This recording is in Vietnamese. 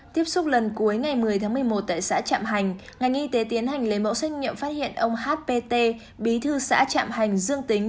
tiếp xúc lần cuối ngày một mươi tháng một mươi một tại xã trạm hành ngành y tế tiến hành lấy mẫu xét nghiệm phát hiện ông hpt bí thư xã trạm hành dương tính